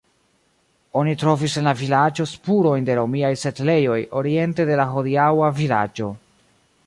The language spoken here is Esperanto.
Oni trovis en la vilaĝo spurojn de romiaj setlejoj oriente de la hodiaŭa vilaĝo.